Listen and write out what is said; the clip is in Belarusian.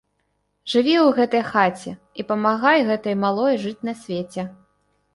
Жыві ў гэтай хаце і памагай гэтай малой жыць на свеце.